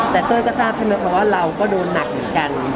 แต่เต้ยก็ทราบใช่ไหมคะว่าเราก็โดนหนักเหมือนกัน